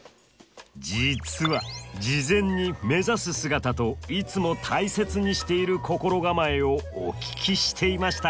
実は事前に「目指す姿」と「いつも大切にしている心構え」をお聞きしていました！